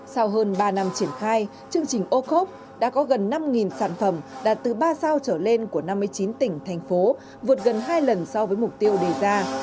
sau hơn ba năm triển khai chương trình ô cốp đã có gần năm sản phẩm đạt từ ba sao trở lên của năm mươi chín tỉnh thành phố vượt gần hai lần so với mục tiêu đề ra